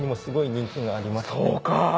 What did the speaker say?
そうか！